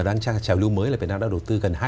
đang trao lưu mới là việt nam đã đầu tư gần